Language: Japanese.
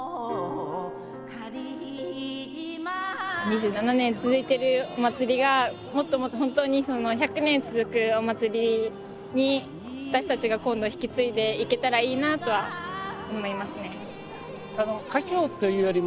２７年続いてるお祭りがもっともっと本当に１００年続くお祭りに私たちが今度引き継いでいけたらいいなとは思いますね。